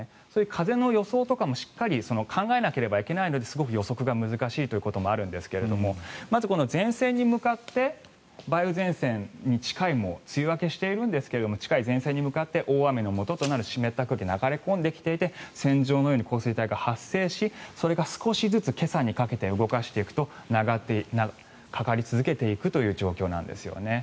風の予想とかもしっかり考えなければいけないのですごく予測が難しいということもあるんですがまず前線に向かって梅雨前線に近い梅雨明けしているんですけども近い前線に向かって大雨のもととなる湿った空気が流れ込んできていて線上のように降水帯が発生しそれが少しずつ今朝にかけて動かしていくとかかり続けていくという状況なんですね。